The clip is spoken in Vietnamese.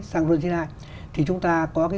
sản xuất e hai thì chúng ta có cái